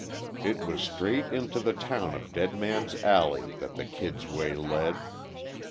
It was straight into the town of Dead Man's Alley that the Kid's way led.